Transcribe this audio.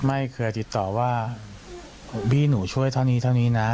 ไม่เคยติดต่อว่าพี่หนูช่วยเท่านี้เท่านี้นะ